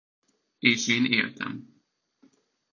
És én éltem.